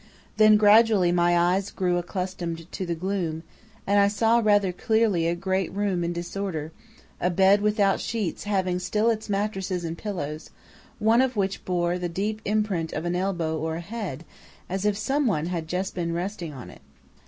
Then gradually my eyes grew accustomed to the gloom, and I saw rather clearly a great room in disorder, a bed without sheets having still its mattresses and pillows, one of which bore the deep print of an elbow or a head, as if someone had just been resting on it.